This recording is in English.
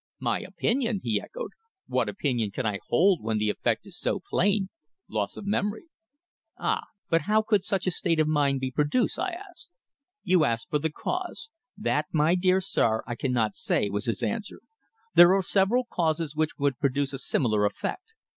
"My opinion!" he echoed. "What opinion can I hold when the effect is so plain loss of memory?" "Ah! But how could such a state of mind be produced?" I asked. "You ask me for the cause. That, my dear sir, I cannot say," was his answer. "There are several causes which would produce a similar effect.